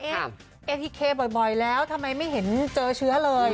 เอทีเคบ่อยแล้วทำไมไม่เห็นเจอเชื้อเลย